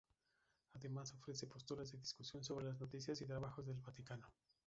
Además ofrece posturas de discusión sobre las noticias y trabajos del Vaticano.